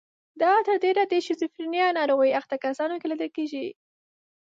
دا تر ډېره د شیزوفرنیا ناروغۍ اخته کسانو کې لیدل کیږي.